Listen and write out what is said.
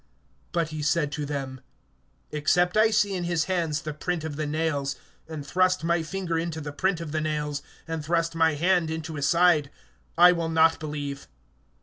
But he said to them: Except I see in his hands the print of the nails, and thrust my finger into the print of the nails, and thrust my hand into his side, I will not believe.